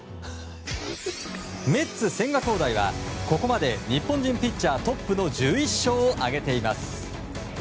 メッツ、千賀滉大はここまで日本人ピッチャートップの１１勝を挙げています。